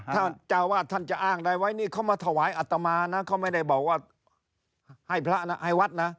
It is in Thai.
ถ้าเจ้าวาดท่านจะอ้างได้ไว้นี่เขามาถวายอัตมานะเขาไม่ได้บอกว่าให้พระนะให้วัดนะ